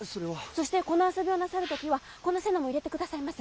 そしてこの遊びをなさる時はこの瀬名も入れてくださいませ！